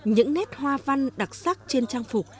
những nét hoa văn đặc sắc trên trang phục